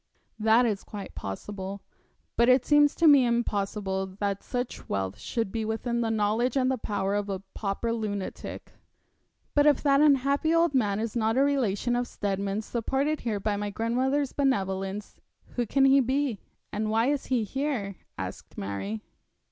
That is quite possible; but it seems to me impossible that such wealth should be within the knowledge and the power of a pauper lunatic.' 'But if that unhappy old man is not a relation of Steadman's supported here by my grandmother's benevolence, who can he be, and why is he here?' asked Mary.